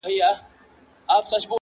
پر نرۍ لښته زنګېده، اخیر پرېشانه سوله،